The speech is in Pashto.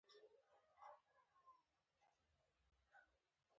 د هغې ويښتان لکه مذاب مس پر اوږو توې شوي وو